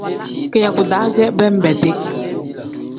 Kiyaku-daa ge benbeedi.